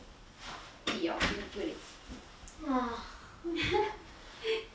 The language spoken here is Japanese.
いいよゆっくり。